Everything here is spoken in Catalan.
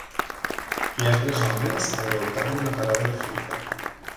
Hi ha tres homes al voltant d'una parada de fruita.